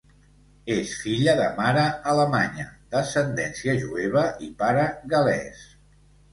És filla de mare alemanya d'ascendència jueva i pare gal·lès.